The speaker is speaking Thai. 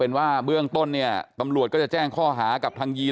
เป็นว่าเบื้องต้นเนี่ยตำรวจก็จะแจ้งข้อหากับทางยี